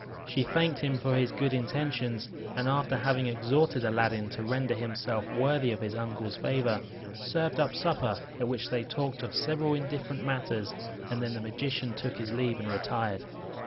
She thanked him for his good intentions; and after having exhorted Aladdin to render himself worthy of his uncle's favour, served up supper, at which they talked of several indifferent matters; and then the magician took his leave and retired.